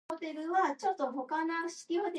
The nectar of tallowwood is much prized by apiarists.